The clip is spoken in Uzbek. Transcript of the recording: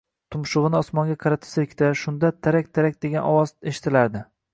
tumshug’ini osmonga qaratib silkitar, shunda “tarak-tarak” degan ovoz eshitilardi.